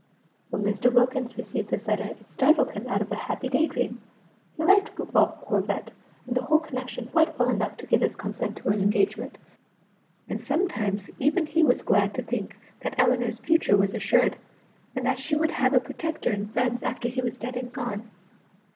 When Mr. Wilkins received this letter it startled him out of a happy day dream. He liked Ralph Corbet and the whole connection quite well enough to give his consent to an engagement; and sometimes even he was glad to think that Ellinor's future was assured, and that she would have a protector and friends after he was dead and gone.